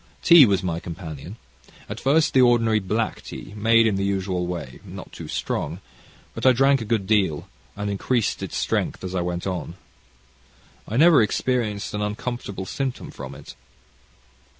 Tea was my companion at first the ordinary black tea, made in the usual way, not too strong: but I drank a good deal, and increased its strength as I went on. I never experienced an uncomfortable symptom from it.